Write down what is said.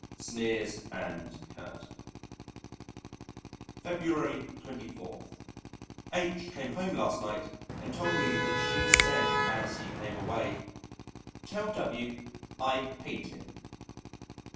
(Sneers and Curtain.) February 24. H came home last night and told me that she said as he came away, "Tell W I hate him."